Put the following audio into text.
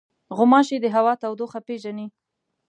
غوماشې د هوا تودوخه پېژني.